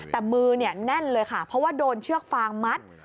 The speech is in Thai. แต่มือแน่นเลยค่ะเพราะว่าโดนเชือกฟางมัด